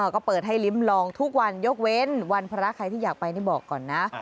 ก็เปิดให้ลิ้มลองทุกวันยกเว้นวันพระใครที่อยากไปนี่บอกก่อนนะ